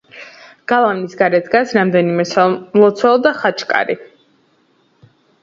გალავნის გარეთ დგას რამდენიმე სამლოცველო და ხაჩკარი.